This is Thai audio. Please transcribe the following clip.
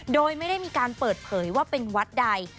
โดยไม่ได้มีการเปิดเผยว่าเป็นวัดใด